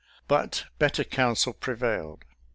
But better counsel pre vailed.